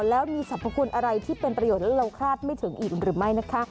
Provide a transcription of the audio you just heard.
แล้วมีสรรพคุณอะไรที่เป็นประโยชน์แล้วเราคาดไม่ถึงอีกหรือไม่นะคะ